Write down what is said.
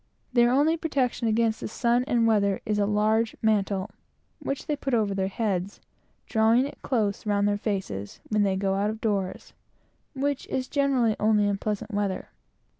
Their only protection against the sun and weather is a large mantle which they put over their heads, drawing it close round their faces, when they go out of doors, which is generally only in pleasant weather.